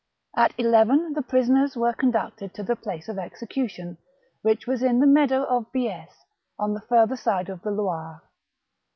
At eleven the prisoners were conducted to the place of execution, which was in the meadow of Biesse, on the further side of the Loire.